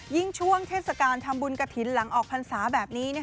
ช่วงเทศกาลทำบุญกระถิ่นหลังออกพรรษาแบบนี้